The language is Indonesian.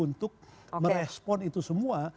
untuk merespon itu semua